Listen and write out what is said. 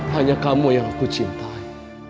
hanya kamu yang aku cintai